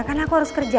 karena aku harus kerja